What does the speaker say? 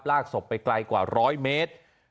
ลากศพไปใกล้กว่าร้อยเมตร